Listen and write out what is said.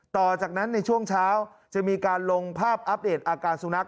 ต่อจากนั้นในช่วงเช้าจะมีการลงภาพอัปเดตอาการสุนัข